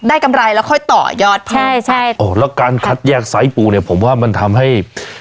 กำไรแล้วค่อยต่อยอดเพิ่มใช่ใช่โอ้แล้วการคัดแยกไซส์ปูเนี่ยผมว่ามันทำให้